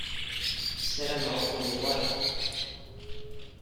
Ssarameɣ ur k-yuɣ wara.